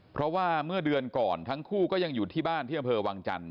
เพราะว่าเมื่อเดือนก่อนทั้งคู่ก็ยังอยู่ที่บ้านที่อำเภอวังจันท